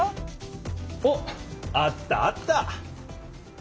おっあったあった！